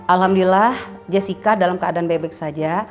alhamdulillah jessica dalam keadaan baik baik saja